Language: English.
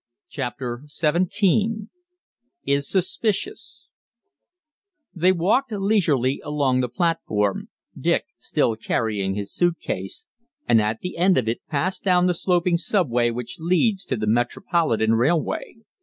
CHAPTER XVII IS SUSPICIOUS They walked leisurely along the platform, Dick still carrying his suit case, and at the end of it passed down the sloping sub way which leads to the Metropolitan Railway.